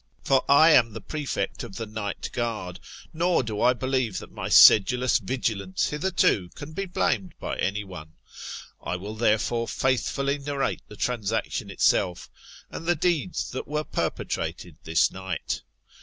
For I am the prefect of the night guard : nor do I believe that my sedulous vigilance hitherto can be blamed by any one. I will therefore faithfully narrate the transaction itself, and the deeds that were perpetrated this night.